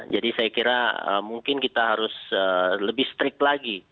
jadi saya kira mungkin kita harus lebih strict lagi